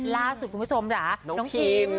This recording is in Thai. ล่าสุดคุณผู้ชมค่ะน้องคิม